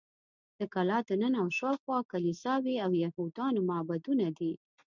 د کلا دننه او شاوخوا کلیساوې او یهودانو معبدونه دي.